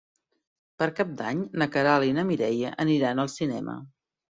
Per Cap d'Any na Queralt i na Mireia aniran al cinema.